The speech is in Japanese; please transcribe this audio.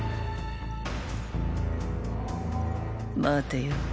待てよ